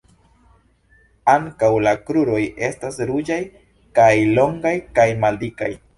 Ankaŭ la kruroj estas ruĝaj kaj longaj kaj maldikaj.